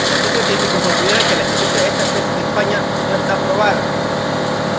Otros científicos consideran que la existencia de esta especie en España no está probada.